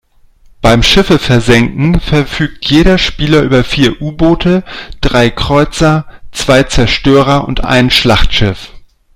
Beim Schiffe versenken verfügt jeder Spieler über vier U-Boote, drei Kreuzer, zwei Zerstörer und ein Schlachtschiff.